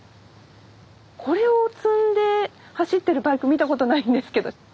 これを積んで走ってるバイク見たことないんですけど。